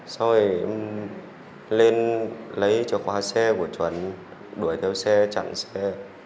rồi em lên lấy chìa khóa xe của chuẩn đuổi theo xe chặn xe